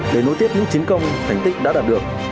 để nối tiếp những chiến công thành tích đã đạt được